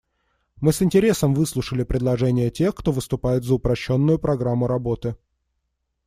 Мы с интересом выслушали предложения тех, кто выступает за упрощенную программу работы.